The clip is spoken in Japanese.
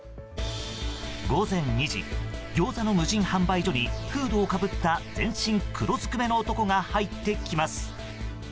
午前２時ギョーザの無人販売所にフードをかぶった全身黒ずくめの男が入ってきます。